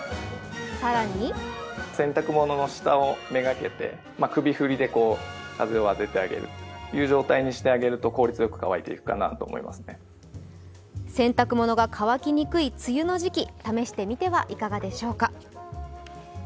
更に洗濯物が乾きにくい梅雨の時期、試してみてはいかがでしょうか。